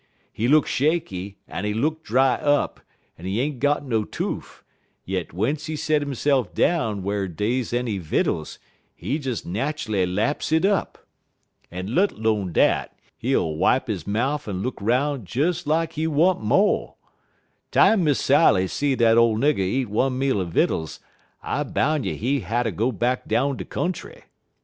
He look shaky, en he look dry up, en he ain't got no toof, yit w'ence he set hisse'f down whar dey any vittles, he des nat'ally laps hit up. En let 'lone dat, he ull wipe he mouf en look' roun' des lak he want mo'. Time Miss Sally see dat ole nigger eat one meal er vittles, I boun' you he hatter go back down de country.